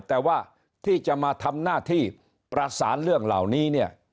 แต่ว่าที่จะมาทำหน้าที่ประสานเรื่องเหล่านี้เนี่ย